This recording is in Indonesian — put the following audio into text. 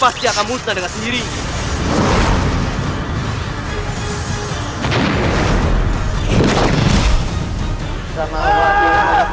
pasti akan musnah dengan sendiri